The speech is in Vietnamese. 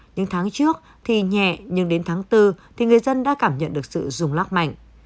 nhưng tháng trước thì nhẹ nhưng đến tháng bốn thì người dân đã cảm nhận được sự rùng lóc mạnh